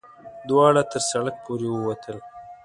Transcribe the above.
دواړه تر سړک پورې وتل.